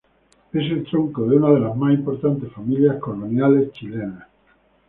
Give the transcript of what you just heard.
Es el tronco de una de las más importantes familias coloniales chilenas.